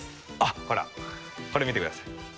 ほらこれ見てください。